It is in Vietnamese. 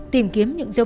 tìm kiếm những tài sản